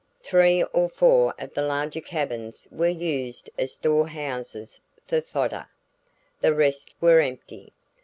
Three or four of the larger cabins were used as store houses for fodder; the rest were empty.